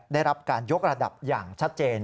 ได้รับการยกระดับอย่างชัดเจน